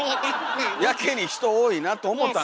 やけに人多いなと思ったんよ。